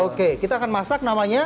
oke kita akan masak namanya